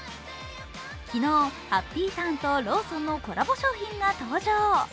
昨日、ハッピーターンとローソンのコラボ商品が登場。